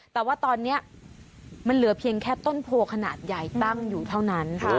แต่ว่าตอนนี้มันเหลือเพียงแค่ต้นโพขนาดใหญ่ตั้งอยู่เท่านั้น